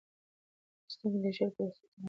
لوستونکی د شعر په لوستلو تمرکز کوي.